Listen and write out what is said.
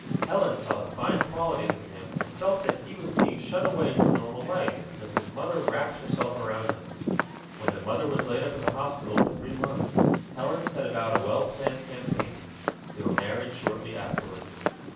Helen saw the fine qualities in him and felt that he was being shut away from normal life because his mother wrapped herself around him. When the mother was laid up in the hospital for three months, Helen set about a well planned campaign. They were married shortly afterward.